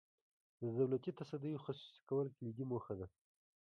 د دولتي تصدیو خصوصي کول کلیدي موخه ده.